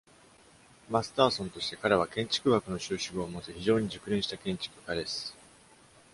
Masterson として、彼は建築学の修士号を持つ非常に熟練した建築家です。